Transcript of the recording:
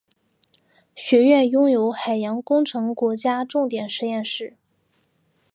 学院拥有海洋工程国家重点实验室。